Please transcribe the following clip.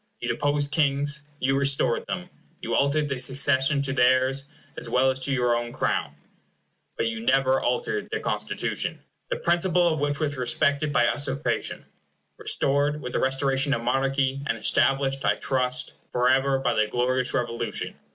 You deposed kings; you restored them; you altered the succession to theirs, as well as to your own Crown; but you never altered their Constitution, the principle of which was respected by usurpation, restored with the restoration of monarchy, and established, I trust, forever, by the glorious Revolution.